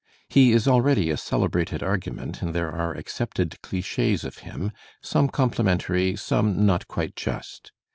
He is already a celebrated argument, and there are accepted clich6s of him, some complimentary, some not quite just.